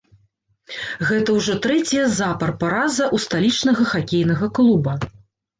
Гэта ўжо трэцяя запар параза ў сталічнага хакейнага клуба.